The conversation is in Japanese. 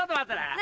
何？